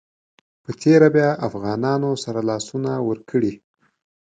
په تېره بیا افغانانو سره لاسونه ورکړي.